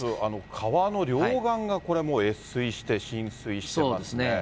川の両岸が、これもう越水して、浸水してますね。